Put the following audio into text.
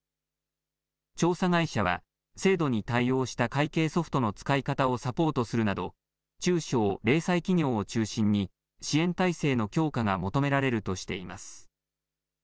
調査会社は制度に対応した会計ソフトの使い方をサポートするなど中小・零細企業を中心に支援体制の強化が求められるとしています。